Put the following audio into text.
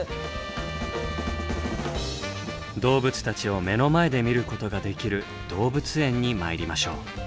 動物たちを目の前で見ることができる動物園に参りましょう。